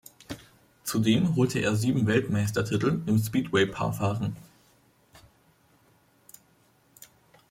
Zudem holte er sieben Weltmeistertitel im Speedway-Paarfahren.